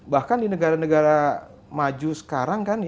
bahkan di negara negara maju sekarang kan